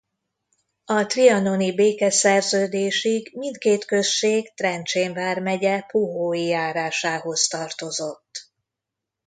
A trianoni békeszerződésig mindkét község Trencsén vármegye Puhói járásához tartozott.